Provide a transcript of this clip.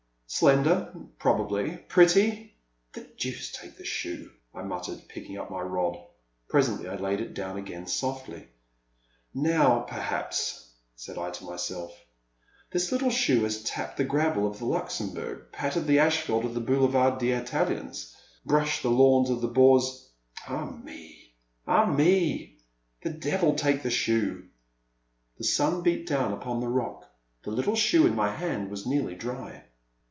Slender? Probably. Pretty? The deuce take the shoe/' I muttered, picking up my rod. Presently I laid it down again, softly. Now, perhaps," said I to myself, this little shoe has tapped the gravel of the Luxembourg, patted the asphalt of the Boulevard des Italiens, brushed the lawns of the Bois — ah me ! ah me !— ^the devil take the shoe !" The sun beat down upon the rock ; the little shoe in my hand was nearly dry.